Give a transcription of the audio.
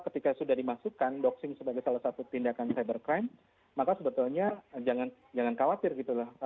dan ketika sudah dimasukkan doxing sebagai salah satu tindakan cyber crime maka sebetulnya jangan khawatir gitu lah